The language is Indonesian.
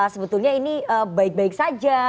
sebetulnya ini baik baik saja